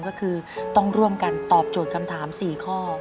ก็คือต้องร่วมกันตอบโจทย์คำถาม๔ข้อ